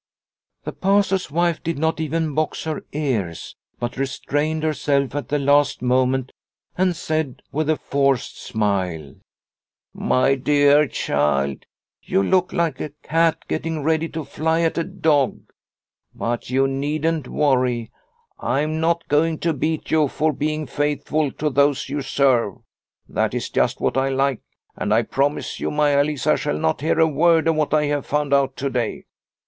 The Pastor's wife did not even box her ears, but restrained herself at the last moment and said, with a forced smile :" My dear child, you look like a cat getting ready to fly at a dog. But you needn't worry. 2oo Liliecrona's Home I am not going to beat you for being faithful to those you serve. That is just what I like, and I promise you Maia Lisa shall not hear a word of what I have found out to day.